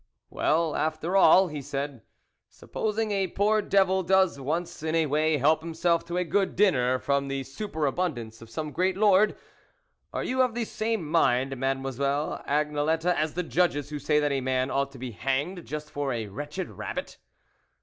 f: "Well, after all," he said, "supposing a poor devil does once in a way help him self to a good dinner from the super THE WOLF LEADER abundance of some great lord ! Are you of the same mind, Mademoiselle Agne lette, as the judges who say that a man ought to be hanged just for a wretched rabbit